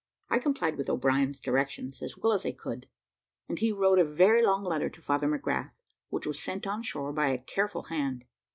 I complied with O'Brien's directions as well as I could, and he wrote a very long letter to Father McGrath, which was sent on shore by a careful hand.